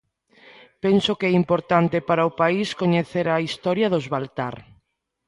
Penso que é importante para o país coñecer a historia dos Baltar.